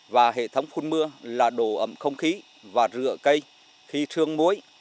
và hệ thống khuôn mưa là độ ấm không khí và rửa cây khi sương mối